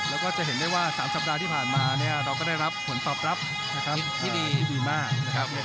แล้วก็จะเห็นได้ว่า๓สัปดาห์ที่ผ่านมาเราก็ได้รับผลตอบรับที่ดีมาก